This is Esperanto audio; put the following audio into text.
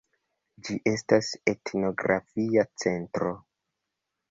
Ĝi estas etnografia centro.